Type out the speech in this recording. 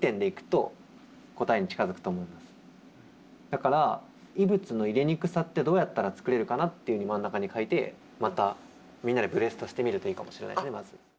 だから異物の入れにくさってどうやったら作れるかなって真ん中に書いてまたみんなでブレストしてみるといいかもしれないですね。